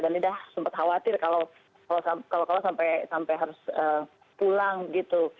dan dinda sempat khawatir kalau sampai harus pulang gitu